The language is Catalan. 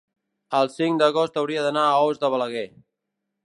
el cinc d'agost hauria d'anar a Os de Balaguer.